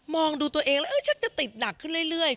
ดูตัวเองแล้วฉันจะติดหนักขึ้นเรื่อย